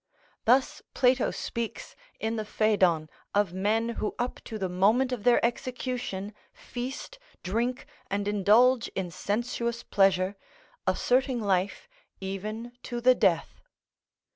Thus Plato speaks in the "Phædon" of men who up to the moment of their execution feast, drink, and indulge in sensuous pleasure, asserting life even to the death.